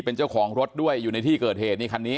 เป็นเจ้าของรถด้วยอยู่ในที่เกิดเหตุนี่คันนี้